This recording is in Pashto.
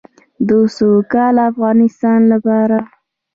د سوکاله افغانستان لپاره.